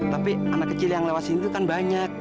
tapi anak kecil yang lewati itu kan banyak